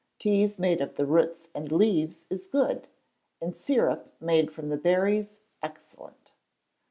Tea made of the roots and leaves is good; and syrup made from the berries excellent.